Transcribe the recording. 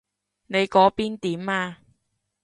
你嗰邊點啊？